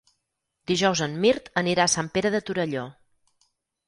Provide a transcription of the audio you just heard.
Dijous en Mirt anirà a Sant Pere de Torelló.